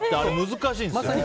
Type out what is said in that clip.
難しいですよね。